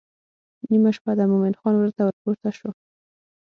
نیمه شپه ده مومن خان ورته ورپورته شو.